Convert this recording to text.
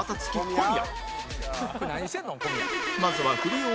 小宮」